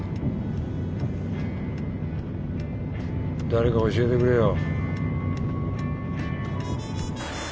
誰か教えてくれよ。